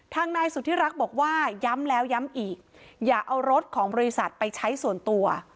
ทางนายสุธิรักษ์บอกว่าย้ำแล้วย้ำอีกอย่าเอารถของบริษัทไปใช้ส่วนตัว